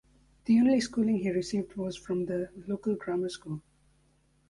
The only schooling he received was from the local grammar school.